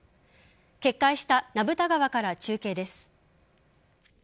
決壊した名蓋川から中継です。